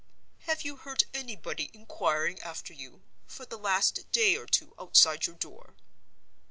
Have you heard anybody inquiring after you, for the last day or two, outside your door?